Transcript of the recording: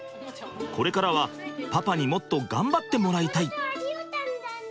これからはパパにもっと頑張ってもらいたい！